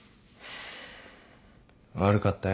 悪かったよ。